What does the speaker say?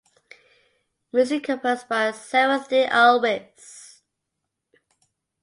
Music composed by Sarath de Alwis.